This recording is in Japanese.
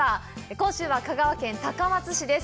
今週は、香川県高松市です。